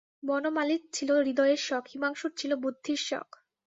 বনমালীর ছিল হৃদয়ের শখ, হিমাংশুর ছিল বুদ্ধির শখ।